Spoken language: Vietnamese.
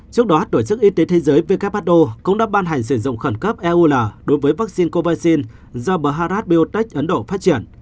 trước đó tổ chức y tế thế giới who cũng đã ban hành sử dụng khẩn cấp eula đối với vaccine covaxin do bharat biotech ấn độ phát triển